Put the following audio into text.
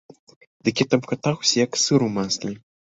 Дык я там катаўся як сыр у масле.